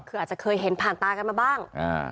คืออาจจะเคยเห็นผ่านตากันมาบ้าง